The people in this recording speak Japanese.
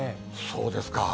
そうですか。